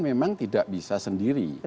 memang tidak bisa sendiri